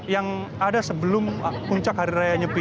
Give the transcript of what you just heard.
yang ada sebelum puncak hari raya nyepi